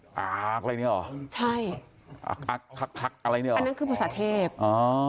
คักอะไรเนี่ยหรอคักอะไรเนี่ยหรออันนั้นคือพฤษเทพธรรม